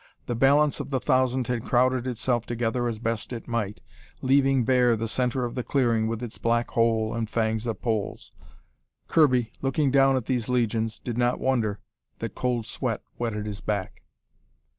The balance of the thousand had crowded itself together as best it might, leaving bare the center of the clearing with its black hole and fangs of poles. Kirby, looking down at these legions, did not wonder that cold sweat wetted his back.